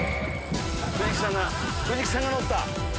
藤木さんが乗った！